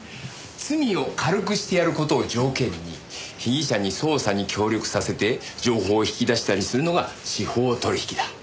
罪を軽くしてやる事を条件に被疑者に捜査に協力させて情報を引き出したりするのが司法取引だ。